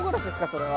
それは。